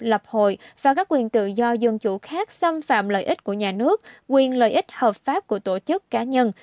lập hội và các quyền tự do dân chủ khác xâm phạm lợi ích của nhà nước quyền lợi ích hợp pháp của tổ chức cá nhân